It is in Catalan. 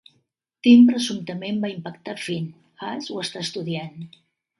Tim presumptament va impactar Finn, Ash ho està estudiant.